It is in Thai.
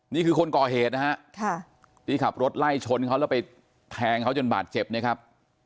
นี่คือคนก่อเหตุนะฮะที่ขับรถไล่ชนเขาแล้วไปแทงเขาจนบาดเจ็บเนี่ยครับ